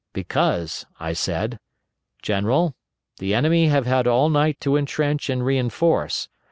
'Because,' I said, 'General, the enemy have had all night to intrench and reinforce.